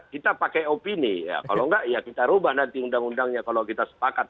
kita pakai opini ya kalau enggak ya kita ubah nanti undang undangnya kalau kita sepakat